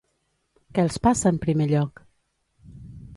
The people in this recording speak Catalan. Què els passa en primer lloc?